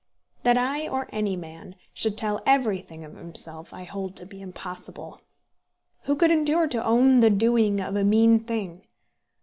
That I, or any man, should tell everything of himself, I hold to be impossible. Who could endure to own the doing of a mean thing?